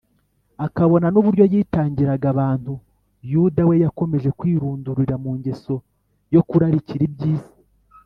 akabona n’uburyo yitangiraga abantu, yuda we yakomeje kwirundurira mu ngeso yo kurarikira iby’isi